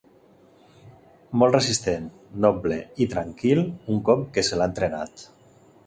Molt resistent, noble i tranquil un cop que se l'ha entrenat.